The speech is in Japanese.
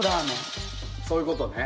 そういうことね。